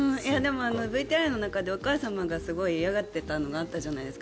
ＶＴＲの中でお母様が嫌がっていたのあったじゃないですか。